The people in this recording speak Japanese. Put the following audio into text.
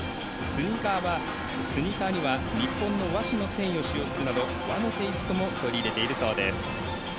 スニーカーには日本の和紙の繊維を使用するなど和のテイストも取り入れているそうです。